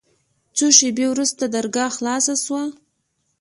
څو شېبې وروسته درګاه خلاصه سوه.